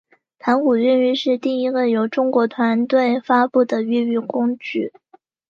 盘古越狱是第一个由中国团队发布的越狱工具。